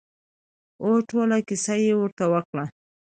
او ټوله کېسه يې ورته وکړه.